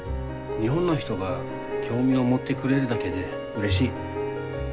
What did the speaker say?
日本の人が興味を持ってくれるだけでうれしい。